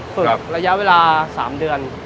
ฝึกระยะเวลา๓เดือน